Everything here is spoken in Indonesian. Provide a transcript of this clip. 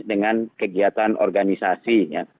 dengan kegiatan organisasi